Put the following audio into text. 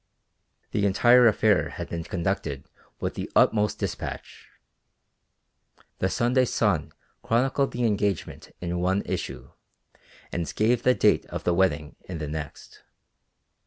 The entire affair had been conducted with the utmost dispatch. The Sunday Sun chronicled the engagement in one issue, and gave the date of the wedding in the next.